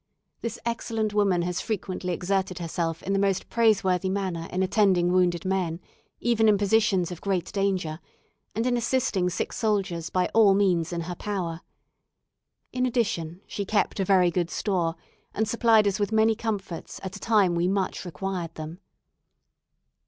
This excellent woman has frequently exerted herself in the most praiseworthy manner in attending wounded men, even in positions of great danger, and in assisting sick soldiers by all means in her power. In addition, she kept a very good store, and supplied us with many comforts at a time we much required them.